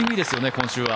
今週は。